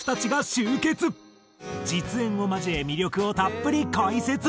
実演を交え魅力をたっぷり解説。